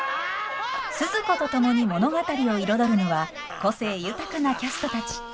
スズ子と共に物語を彩るのは個性豊かなキャストたち。